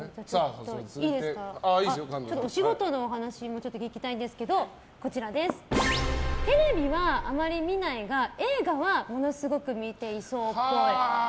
お仕事のお話も聞きたいんですけどテレビはあまり見ないが、映画はものすごく見ていそうっぽい。